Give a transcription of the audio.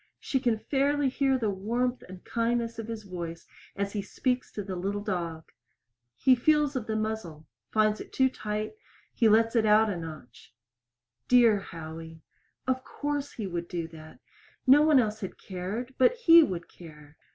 She can fairly hear the warmth and kindness of his voice as he speaks to the little dog. He feels of the muzzle finds it too tight; he lets it out a notch. Dear Howie. Of course he would do that. No one else had cared, but he would care.